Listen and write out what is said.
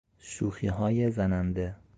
شوخیهای زننده